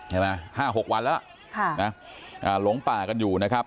เห็นไหมห้าหกวันแล้วค่ะน่ะอ่าหลงป่ากันอยู่นะครับ